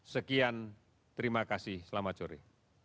sekian terima kasih selamat sore